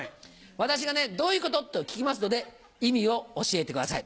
私が「どういうこと？」と聞きますので意味を教えてください。